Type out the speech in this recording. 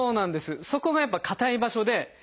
そこがやっぱ硬い場所で。